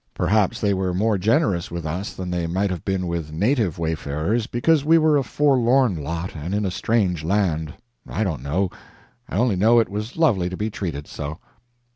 Perhaps they were more generous with us than they might have been with native wayfarers because we were a forlorn lot and in a strange land; I don't know; I only know it was lovely to be treated so.